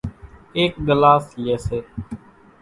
ايڪ ڳلاس لئي سي